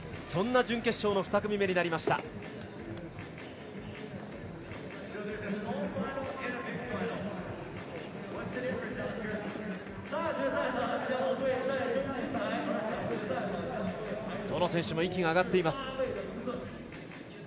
どの選手も息が上がっています。